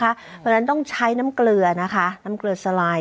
เพราะฉะนั้นต้องใช้น้ำเกลือนะคะน้ำเกลือสลาย